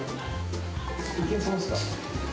いけそうですか？